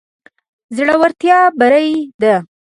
زړورتيا بري ده.